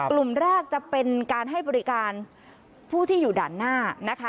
กลุ่มแรกจะเป็นการให้บริการผู้ที่อยู่ด่านหน้านะคะ